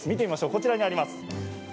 こちらにあります。